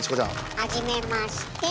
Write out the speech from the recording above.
はじめまして。